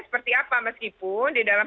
seperti apa meskipun di dalam